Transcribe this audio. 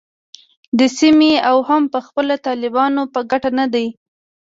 د سیمې او هم پخپله د طالبانو په ګټه نه دی